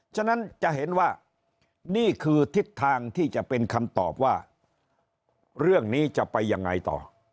ฉะนั้นจะเห็นว่านี่คือทิศทางที่จะเป็นคำตอบว่าเรื่องนี้จะไปยังไงต่อ